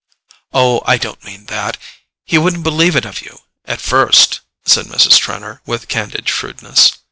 "Oh, I don't mean that; he wouldn't believe it of you—at first," said Mrs. Trenor, with candid shrewdness.